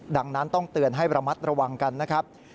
ดังนั้นต้องเตือนให้ระมัดระวังกันนะครับ